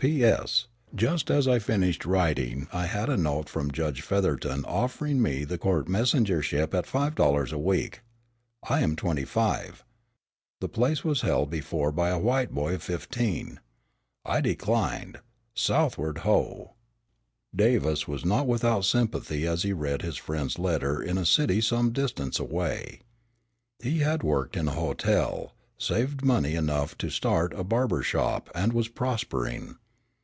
"P.S. Just as I finished writing I had a note from Judge Featherton offering me the court messengership at five dollars a week. I am twenty five. The place was held before by a white boy of fifteen. I declined. 'Southward Ho!'" Davis was not without sympathy as he read his friend's letter in a city some distance away. He had worked in a hotel, saved money enough to start a barber shop and was prospering.